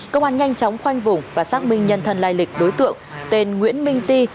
công an nhanh chóng khoanh vùng và xác minh nhân thân lai lịch đối tượng tên nguyễn minh ti